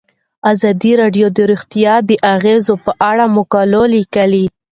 ازادي راډیو د روغتیا د اغیزو په اړه مقالو لیکلي.